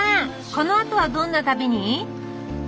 このあとはどんな旅に？